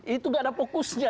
itu nggak ada fokusnya